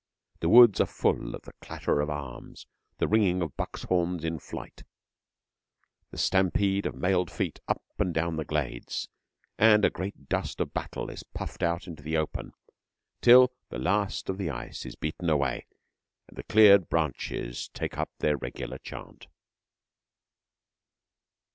The woods are full of the clatter of arms; the ringing of bucks' horns in flight; the stampede of mailed feet up and down the glades; and a great dust of battle is puffed out into the open, till the last of the ice is beaten away and the cleared branches take up their regular chant.